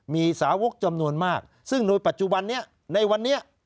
มีสาวกจำนวนมากซึ่งโดยปัจจุบันนี้ในวันนี้